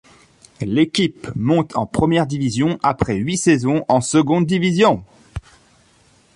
L'équipe monte en première division après huit saisons en seconde division.